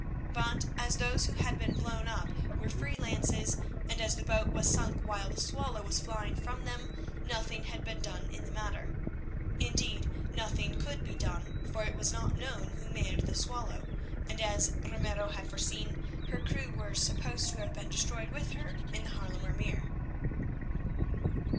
But, as those who had been blown up were free lances, and as the boat was sunk while the Swallow was flying from them, nothing had been done in the matter. Indeed, nothing could be done, for it was not known who manned the Swallow, and, as Ramiro had foreseen, her crew were supposed to have been destroyed with her in the Haarlemer Meer.